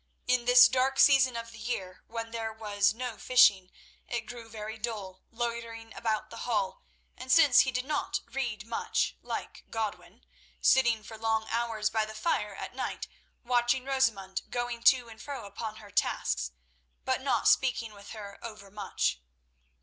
In this dark season of the year when there was no fishing, it grew very dull loitering about the Hall, and since he did not read much, like Godwin, sitting for long hours by the fire at night watching Rosamund going to and fro upon her tasks, but not speaking with her overmuch.